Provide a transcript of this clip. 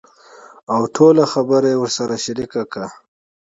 اوټوله خبره يې ورسره شريکه کړه .